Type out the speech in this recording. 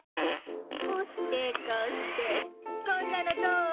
こうしてこうしてこんなのどう？